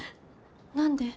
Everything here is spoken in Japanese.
何で？